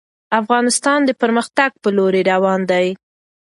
افغانستان د پرمختګ په لوري روان دی.